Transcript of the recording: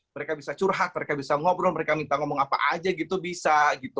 mereka bisa curhat mereka bisa ngobrol mereka minta ngomong apa aja gitu bisa